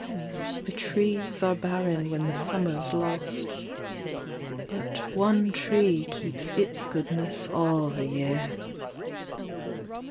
The trees are barren when the summer's lost ; But one tree keeps its goodness all the year.